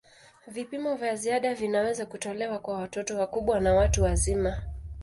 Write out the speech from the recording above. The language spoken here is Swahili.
Vipimo vya ziada vinaweza kutolewa kwa watoto wakubwa na watu wazima.